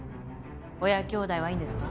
親兄弟はいいんですか？